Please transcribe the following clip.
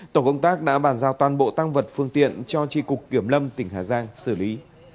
tổ công tác đã bàn giao toàn bộ tăng vật phương tiện cho tri cục kiểm lâm tỉnh hà giang xử lý